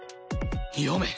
読め！